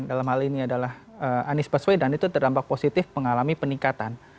dalam hal ini adalah anies baswedan itu terdampak positif mengalami peningkatan